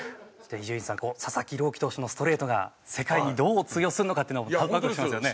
伊集院さん佐々木朗希投手のストレートが世界にどう通用するのかっていうのはワクワクしますよね。